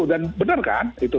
dan bener kan